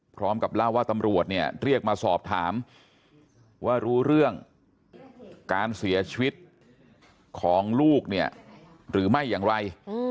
พร้อมกับเล่าว่าตำรวจเนี่ยเรียกมาสอบถามว่ารู้เรื่องการเสียชีวิตของลูกเนี่ยหรือไม่อย่างไร